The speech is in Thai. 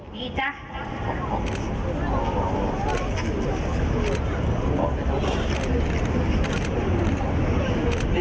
นี่จ้ะ